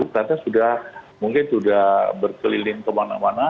karena sudah mungkin sudah berkeliling kemana mana